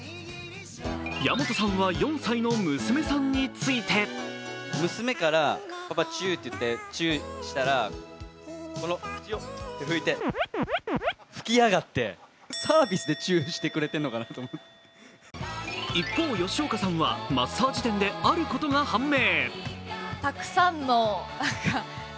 矢本さんは４歳の娘さんについて一方、吉岡さんはマッサージ店であることが判明。